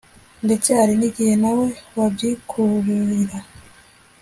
ndetse hari n igihe nawe wabyikururira